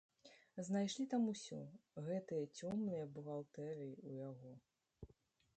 Знайшлі там усё, гэтыя цёмныя бухгалтэрыі ў яго.